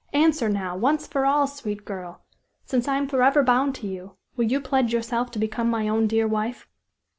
Answer, now, once for all, sweet girl! since I am forever bound to you; will you pledge yourself to become my own dear wife?"